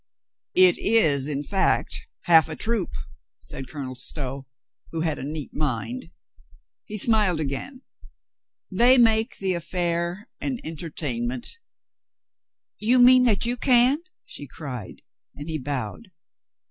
"It is in fact half a troop," said Colonel Stow, who had a neat mind. He smiled again. "They make the affair an entertainment." "You mean that you can?" she cried, and he bowed.